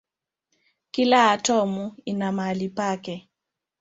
Kila atomu ina mahali pake.